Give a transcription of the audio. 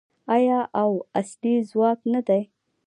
آیا او اصلي ځواک نه دی؟